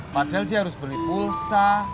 padahal dia harus beli pulsa